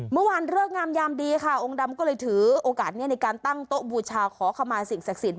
เลิกงามยามดีค่ะองค์ดำก็เลยถือโอกาสนี้ในการตั้งโต๊ะบูชาขอขมาสิ่งศักดิ์สิทธิ